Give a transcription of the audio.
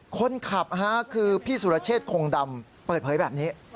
คนขับคือพี่สุรเชษคงดำเปิดเผยแบบนี้